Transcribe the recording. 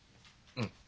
うん。